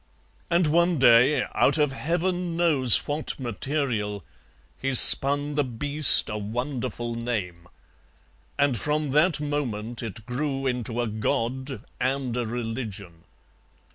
And one day, out of Heaven knows what material, he spun the beast a wonderful name, and from that moment it grew into a god and a religion.